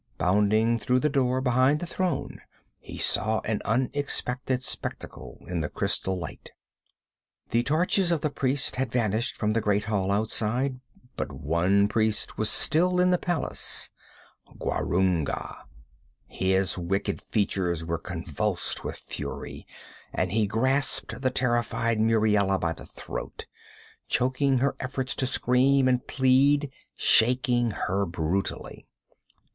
Bounding through the door behind the throne, he saw an unexpected spectacle in the crystal light. The torches of the priests had vanished from the great hall outside but one priest was still in the palace: Gwarunga. His wicked features were convulsed with fury, and he grasped the terrified Muriela by the throat, choking her efforts to scream and plead, shaking her brutally.